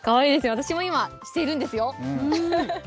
私も今、してるんですよ。